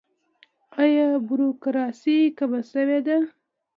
آیا بروکراسي کمه شوې ده؟